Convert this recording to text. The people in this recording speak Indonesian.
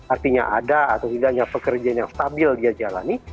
artinya ada atau tidaknya pekerjaan yang stabil dia jalani